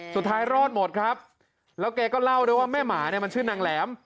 สุดท้ายรอดหมดครับแล้วแกก็เล่าด้วยว่าแม่หมาเนี่ยมันชื่อนางแหลม